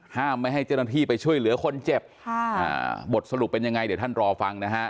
ไม่ให้เจ้าหน้าที่ไปช่วยเหลือคนเจ็บค่ะอ่าบทสรุปเป็นยังไงเดี๋ยวท่านรอฟังนะฮะ